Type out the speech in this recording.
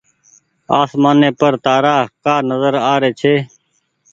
آسمآني پر تآرآ ڪآ نزر آ ري ڇي۔